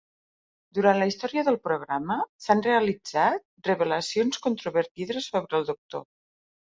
Durant la història del programa s'han realitzat revelacions controvertides sobre el Doctor.